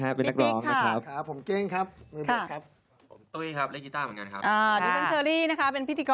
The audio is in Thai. ไม่ใช่ครับบิ่งอยู่แล้วขอบคุณก่อน